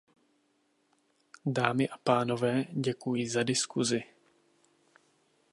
Dámy a pánové, děkuji za diskusi.